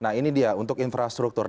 nah ini dia untuk infrastruktur